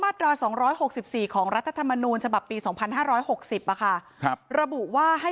มาตรดร๒๖๔ของรัฐธรรมนุนฉบับปี๒๕๖๐อ่ะค่ะระบุว่าให้